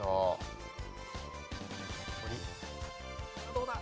どうだ？